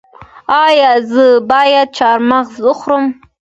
ایا زه باید چهارمغز وخورم؟